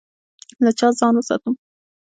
له چا ځان وساتم؟